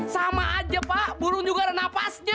sama aja pak burung juga ada nafasnya